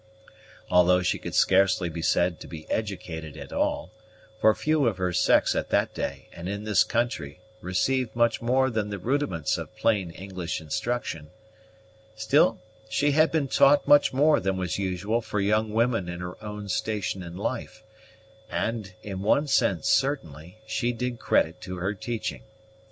Although she could scarcely be said to be educated at all, for few of her sex at that day and in this country received much more than the rudiments of plain English instruction, still she had been taught much more than was usual for young women in her own station in life; and, in one sense certainly, she did credit to her teaching.